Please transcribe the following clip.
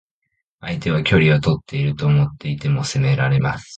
相手は距離をとっていると思っていても攻められます。